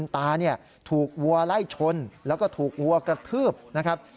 ตาเนี่ยถูกวัวไล่ชนแล้วก็ถูกวัวกระทืบนะครับ